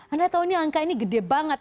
anda tahu ini angka ini gede banget